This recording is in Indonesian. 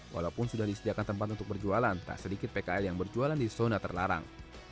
walaupun sudah disediakan tempat untuk berjualan tak sedikit pkl yang berjualan di zona terlarang